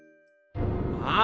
ああ！